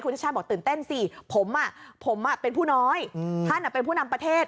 ชาติชาติบอกตื่นเต้นสิผมเป็นผู้น้อยท่านเป็นผู้นำประเทศ